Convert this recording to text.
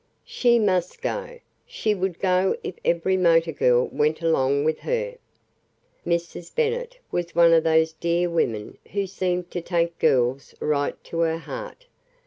She must go. She would go if every motor girl went along with her. Mrs. Bennet was one of those dear women who seem to take girls right to her heart.